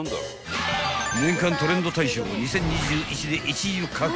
［年間トレンド大賞２０２１で１位を獲得］